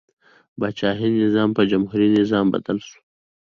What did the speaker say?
پاچاهي نظام په جمهوري نظام بدل شو.